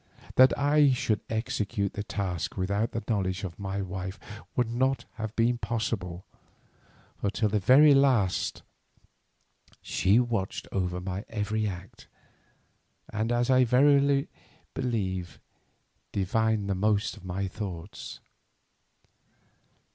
That I should execute the task without the knowledge of my wife would not have been possible, for till the very last she watched over my every act, and, as I verily believe, divined the most of my thoughts.